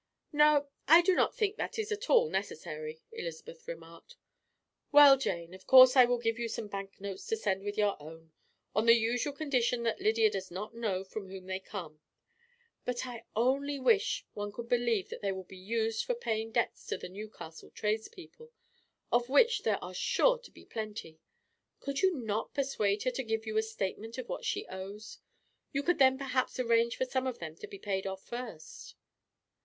"No, I do not think that that is at all necessary," Elizabeth remarked. "Well, Jane, of course I will give you some bank notes to send with your own, on the usual condition that Lydia does not know from whom they come; but I only wish one could believe that they will be used for paying debts to the Newcastle tradespeople of which there are sure to be plenty. Could you not persuade her to give you a statement of what she owes? You could then perhaps arrange for some of them to be paid off first."